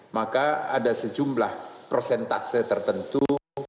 maka ada sejumlah prosentase tertentu